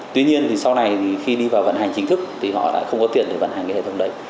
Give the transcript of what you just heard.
tuy nhiên thì sau này thì khi đi vào vận hành chính thức thì họ lại không có tiền để vận hành cái hệ thống đấy